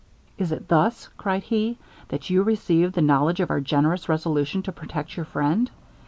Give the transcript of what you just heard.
'Is it thus,' cried he, 'that you receive the knowledge of our generous resolution to protect your friend?